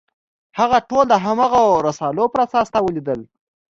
هغه ټول د هماغو رسالو پر اساس تاویلېدل.